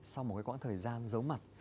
sau một quãng thời gian giấu mặt